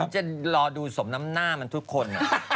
จะรอดูสมน้ำหน้ามันทุกคน